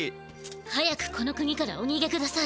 早くこの国からおにげください。